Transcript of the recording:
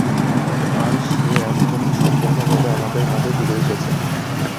আর সে এখন সম্পূর্ণভাবে আমাদের মাঝে ফিরে এসেছে।